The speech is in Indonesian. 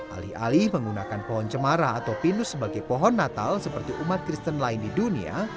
alih alih menggunakan pohon cemara atau pinus sebagai pohon natal seperti umat kristen lain di dunia